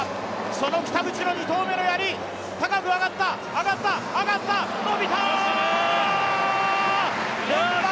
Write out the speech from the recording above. その北口の２投目のやり、高く上がった、上がった、上がった、伸びたー！